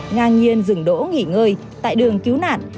ngang nhiên dừng đỗ nghỉ ngơi tại đường cứu nạn